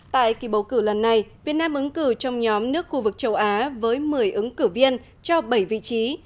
tại kỳ bầu cử lần này việt nam ứng cử trong nhóm nước khu vực châu á với một mươi ứng cử viên cho bảy vị trí